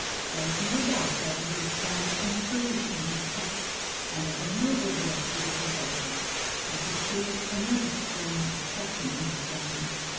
There is no doubt that he would have found inspiration in the text, and that a noble work would have resulted, but he feared the nervous strain of such an undertaking.